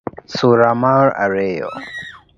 Sura mar ariyo: